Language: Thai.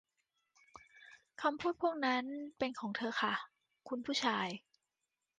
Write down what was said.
คำพูดพวกนั้นเป็นของเธอค่ะ คุณผู้ชาย